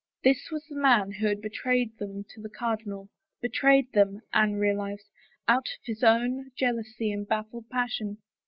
This was the man who had betrayed them to the cardinal, betrayed them, Anne realized, out of his own jealousy and baffled passion.